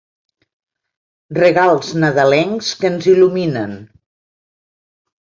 Regals nadalencs que ens il·luminen.